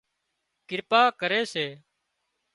ڪرپا ڪري سي